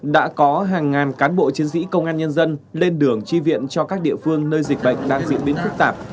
đã có hàng ngàn cán bộ chiến sĩ công an nhân dân lên đường chi viện cho các địa phương nơi dịch bệnh đang diễn biến phức tạp